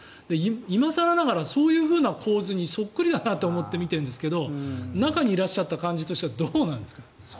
今更ながらそういう構図にそっくりだなと思って見ているんですけど中にいらっしゃった感じとしてはどうなんですか？